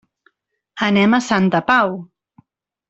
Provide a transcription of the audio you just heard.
Anem a Santa Pau.